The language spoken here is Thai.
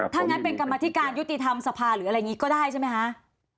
ถ้างั้นถ้านั้นเป็นกรรมพิการยุติธรรมสภาพหรืออะไรนี้ก็ได้ใช่ไหมฮะ